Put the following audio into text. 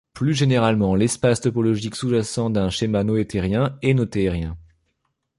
Plus généralement, l'espace topologique sous-jacent d'un schéma noethérien est noethérien.